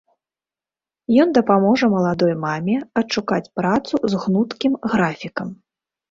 Ён дапаможа маладой маме адшукаць працу з гнуткім графікам.